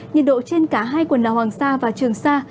nhiệt độ trên cả hai quần đảo hoàng sa và trường sa